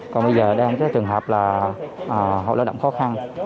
còn bây giờ đang có trường hợp là họ lãi động khó khăn